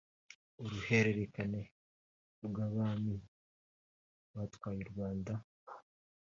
uruhererekane rw’abami batwaye u Rwanda